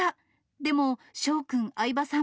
でも翔君、相葉さん